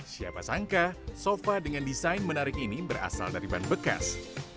siapa sangka sofa dengan desain menarik ini berasal dari ban bekas